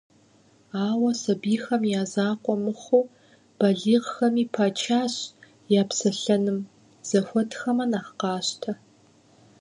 Ауэ сабийхэм я закъуэ мыхъуу, балигъхэми пачащ я псэлъэным, зэхуэтхэмэ нэхъ къащтэ.